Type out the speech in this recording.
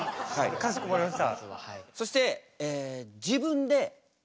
かしこまりました。